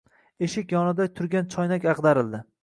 Eshik yonida turgan choynak agʼdarildi.